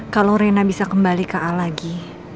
kalau rena bisa kembali ke a lagi